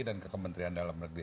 dan ke kementerian dalam negeri